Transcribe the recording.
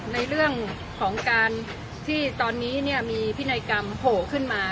ในเรื่องของการที่ตอนนี้มีพินัยกรรมโผล่ขึ้นมา